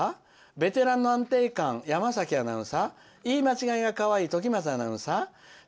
ベテランの安定感、アナウンサーいい間違いがかわいいときまさアナウンサー？